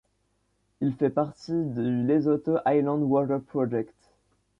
Il fait partie du Lesotho Highlands Water Project.